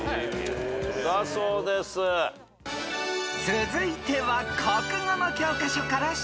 ［続いては国語の教科書から出題］